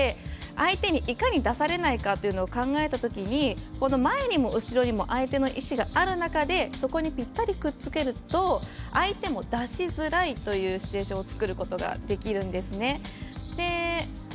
相手にいかに出されないかというのを考えたときにこの前にも後ろにも相手の石がある中でそこにぴったりくっつけると相手も出しづらいというシチュエーションを作ることができるんですね。